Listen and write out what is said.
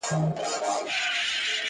او د نیکه نکلونه نه ختمېدل-